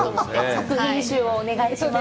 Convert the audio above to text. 作品集をお願いします。